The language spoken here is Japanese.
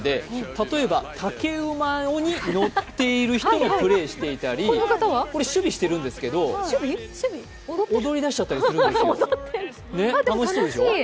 例えば竹馬に乗っている人がプレーしていたり、これは守備をしているんですけど、踊り出しちゃったりするんですよ、楽しそうでしょ。